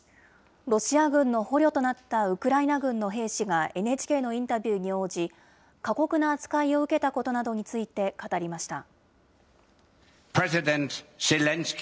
ロシア軍の捕虜となったウクライナ軍の兵士がＮＨＫのインタビューに応じ、過酷な扱いを受けたことなどについて語りました。